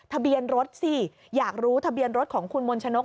ทะเบียนรถสิอยากรู้ทะเบียนรถของคุณมนชนก